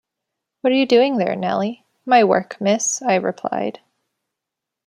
‘What are you doing there, Nelly?’ ‘My work, Miss,’ I replied.